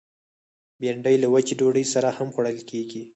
بېنډۍ له وچې ډوډۍ سره هم خوړل کېږي